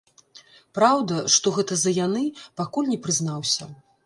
Праўда, што гэта за яны, пакуль не прызнаўся.